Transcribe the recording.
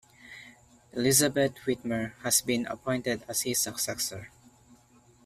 Elizabeth Witmer has been appointed as his successor.